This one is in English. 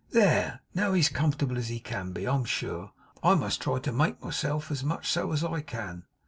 'There! Now he's comfortable as he can be, I'm sure! I must try to make myself as much so as I can.